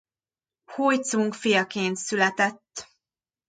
Huj-cung fiaként született.